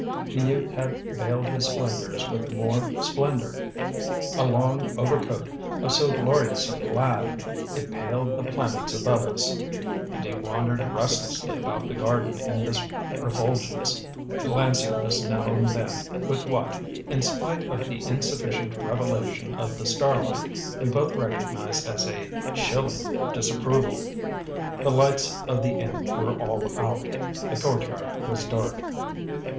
The youth had veiled his splendours with more splendour: a long overcoat of so glorious a plaid it paled the planets above us; and he wandered restlessly about the garden in this refulgence, glancing at us now and then with what, in spite of the insufficient revelation of the starlight, we both recognised as a chilling disapproval. The lights of the inn were all out; the courtyard was dark.